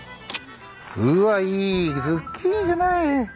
うわいいズッキーニじゃない。